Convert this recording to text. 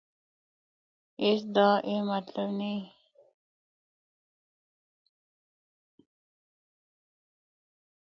اس دا اے مطلب نیں۔